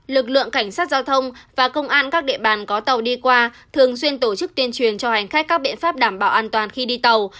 lực lượng cảnh sát giao thông và công an các địa bàn có tàu đi qua thường xuyên tổ chức tuyên truyền cho hành khách các biện pháp đảm bảo an toàn khi đi tàu